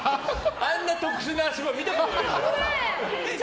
あんな特殊な足場見たことないよ。